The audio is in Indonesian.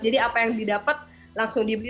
jadi apa yang didapat langsung dibeli